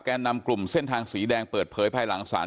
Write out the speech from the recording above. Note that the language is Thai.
นำกลุ่มเส้นทางสีแดงเปิดเผยภายหลังสาร